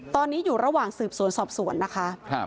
ตอนนี้อยู่ระหว่างสืบสวนสอบสวนนะคะ